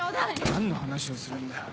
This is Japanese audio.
何の話をするんだよ！